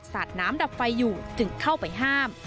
ดน้ำดับไฟอยู่จึงเข้าไปห้าม